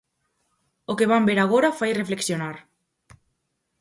O que van ver agora fai reflexionar.